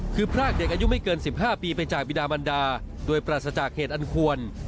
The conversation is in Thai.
คือพรากเด็กอายุไม่เกิน๑๕ปีไปจากบิดามันดาโดยปราศจากเหตุอันควร